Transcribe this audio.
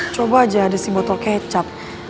coba aja di si botol kecap